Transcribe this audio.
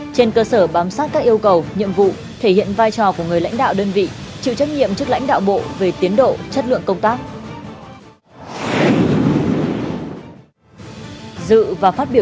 trên cơ sở bám sát các yêu cầu nhiệm vụ thể hiện vai trò của người lãnh đạo đơn vị